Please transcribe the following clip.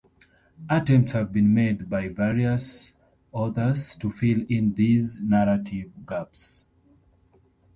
Attempts have been made by various authors to fill in these narrative gaps.